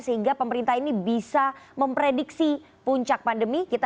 sehingga pemerintah ini bisa memprediksi puncak pandemi